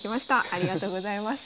ありがとうございます。